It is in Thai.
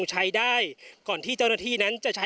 พร้อมด้วยผลตำรวจเอกนรัฐสวิตนันอธิบดีกรมราชทัน